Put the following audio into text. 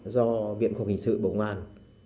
do viện công hình sự bộ công an